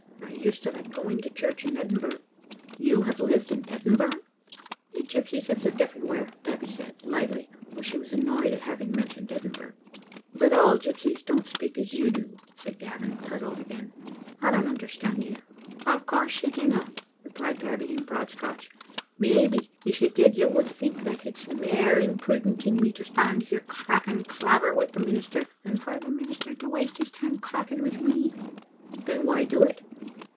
I used to like going to church in Edinburgh," "You have lived in Edinburgh?" "We gypsies have lived everywhere," Babbie said, lightly, though she was annoyed at having mentioned Edinburgh. " But all gypsies don't speak as you do," said Gavin, puzzled again. " I don't understand you." "Of course you dinna," replied Babbie, in broad Scotch. " Maybe, if you did, you would think that it's mair imprudent in me to stand here cracking clavers wi' the minister than for the minister to waste his time cracking wi' me." "Then why do it?"